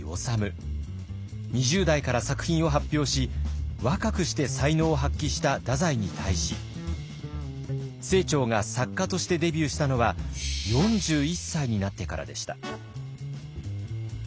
２０代から作品を発表し若くして才能を発揮した太宰に対し清張が作家としてデビューしたのは４１歳になってからでした。